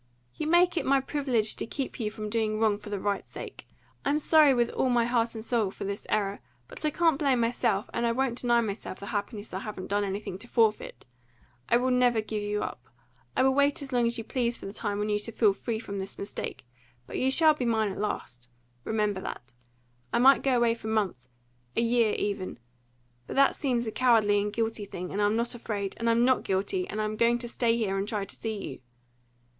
"You make it my privilege to keep you from doing wrong for the right's sake. I'm sorry, with all my heart and soul, for this error; but I can't blame myself, and I won't deny myself the happiness I haven't done anything to forfeit. I will never give you up. I will wait as long as you please for the time when you shall feel free from this mistake; but you shall be mine at last. Remember that. I might go away for months a year, even; but that seems a cowardly and guilty thing, and I'm not afraid, and I'm not guilty, and I'm going to stay here and try to see you."